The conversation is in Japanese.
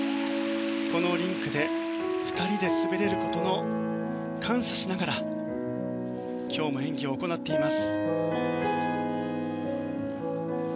このリンクで２人で滑れることに感謝しながら今日も演技を行っています。